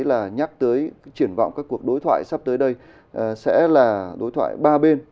là nhắc tới triển vọng các cuộc đối thoại sắp tới đây sẽ là đối thoại ba bên